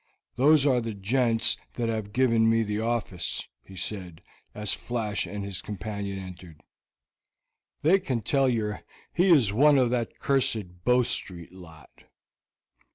"Those are the gents that have given me the office," he said, as Flash and his companion entered. "They can tell yer he is one of that cursed Bow Street lot."